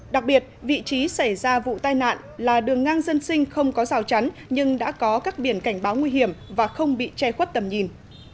đặc biệt vị trí xảy ra vụ tai nạn là đường ngang dân sinh không có rào chắn nhưng đã có các biển cảnh báo nguy hiểm và không bị che khuất tầm nhìn